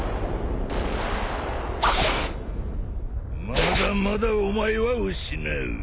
まだまだお前は失う。